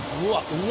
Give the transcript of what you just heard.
うわ。